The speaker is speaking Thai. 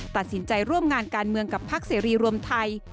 ตัดสินใจร่วมงานการเมืองกับพักเสรีรวมไทย